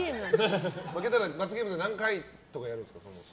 負けたら罰ゲームで何回とかやるんですか。